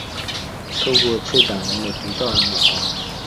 透过策展人的独到眼光